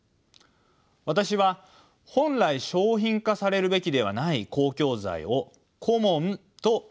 私は本来商品化されるべきではない公共財をコモンと呼んでいます。